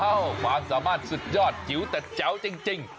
ความสามารถสุดยอดจิ๋วแต่แจ๋วจริง